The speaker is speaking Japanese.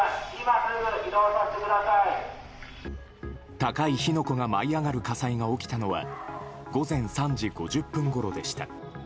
高い火の粉が舞い上がる火災が起きたのは午前３時５０分ごろでした。